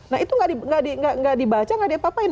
nah itu nggak dibaca nggak ada apa apain